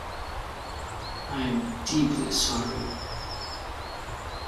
I am deeply sorry.